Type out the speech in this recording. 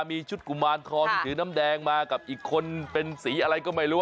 มีชุดกุมารทองที่ถือน้ำแดงมากับอีกคนเป็นสีอะไรก็ไม่รู้